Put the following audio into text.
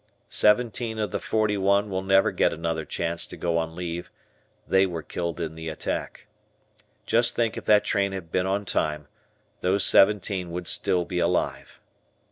Seventeen of the forty one will never get another chance to go on leave; they were killed in the attack. Just think if that train had been on time, those seventeen would still be alive.